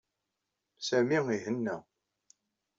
Sami ihenna.